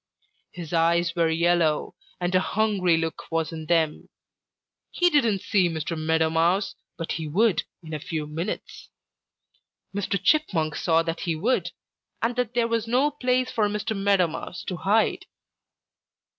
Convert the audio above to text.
His eyes were yellow, and a hungry look was in them. He didn't see Mr. Meadow Mouse, but he would in a few minutes. Mr. Chipmunk saw that he would, and that there was no place for Mr. Meadow Mouse to hide.